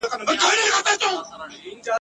په کښتۍ کي وه سپاره یو شمېر وګړي !.